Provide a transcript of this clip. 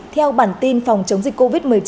theo bản tin phòng chống dịch covid một mươi chín